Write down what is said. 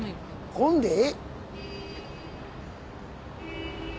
来んでええ。